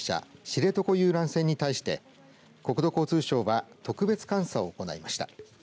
知床遊覧船に対して国土交通省は特別監査を行いました。